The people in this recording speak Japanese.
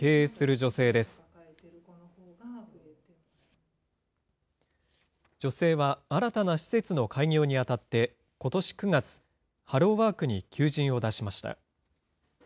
女性は、新たな施設の開業にあたって、ことし９月、ハローワークに求人を出しました。